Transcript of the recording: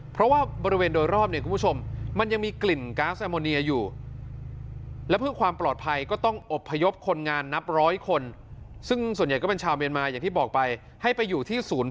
เพราะว่าบริเวณโดยรอบเนี่ยคุณผู้ชมมันยังมีกลิ่นก๊าซแอมโมเนียอยู่